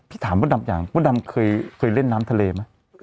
ถามมดดำอย่างมดดำเคยเล่นน้ำทะเลไหม